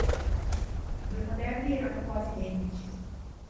I due modelli erano quasi identici.